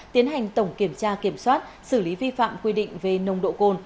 tiến hành tổng kiểm tra kiểm soát xử lý vi phạm quy định về nồng độ cồn